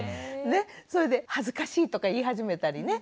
それで「恥ずかしい」とか言い始めたりね。